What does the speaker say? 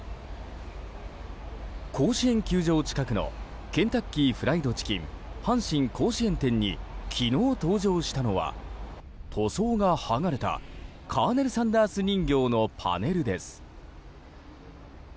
甲子園球場近くのケンタッキーフライドチキン阪神甲子園店に昨日登場したのは塗装が剥がれたカーネル・サンダース人形のパネルです。